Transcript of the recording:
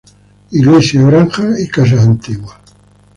Iglesia, granjas y casas antiguas.